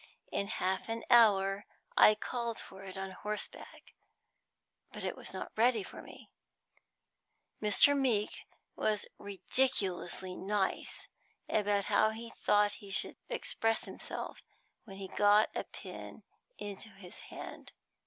In half an hour I called for it on horseback, but it was not ready for me. Mr. Meeke was ridiculously nice about how he should express himself when he got a pen into his hand.